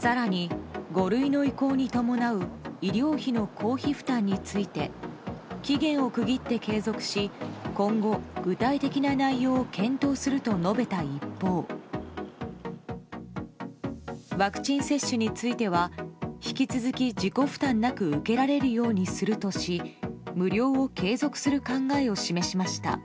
更に、五類の移行に伴う医療費の公費負担について期限を区切って継続し今後、具体的な内容を検討すると述べた一方ワクチン接種については引き続き自己負担なく受けられるようにするとし無料を継続する考えを示しました。